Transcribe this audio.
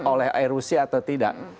oleh erupsi atau tidak